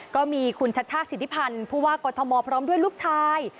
ก็มีคุณชัชชาติสิทธิพันธ์ผู้ว่ากอทมพร้อมด้วยลูกชาย